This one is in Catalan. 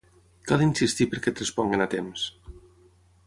Cal insistir perquè et responguin a temps.